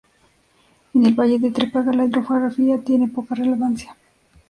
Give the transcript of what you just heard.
En el Valle de Trápaga la hidrografía tiene poca relevancia.